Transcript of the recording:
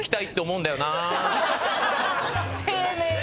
丁寧に。